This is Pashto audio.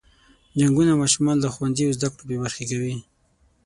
جنګونه ماشومان له ښوونځي او زده کړو بې برخې کوي.